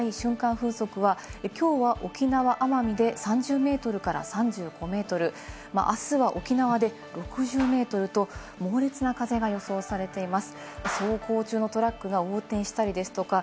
風速は、きょうは沖縄・奄美で３０メートルから３５メートル、あすは沖縄で６０メートルと猛烈な風が予想されています。